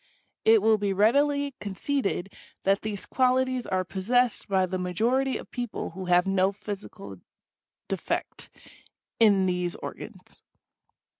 It will be readily conceded that these qualities are possessed by the majority of people who have no physical defect in these organs.